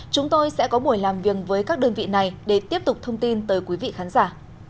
chúng tôi sẽ có buổi làm việc với các đơn vị này để tiếp tục thông tin tới quý vị khán giả